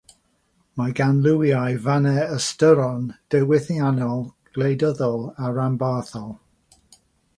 Mae gan liwiau'r faner ystyron diwylliannol, gwleidyddol, a rhanbarthol.